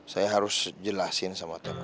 saya harus jelasin sama temanis